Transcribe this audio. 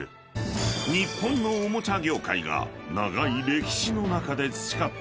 ［日本のおもちゃ業界が長い歴史の中で培った］